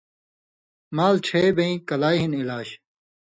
مال ڇھی بېں کِلائ ہِن علاج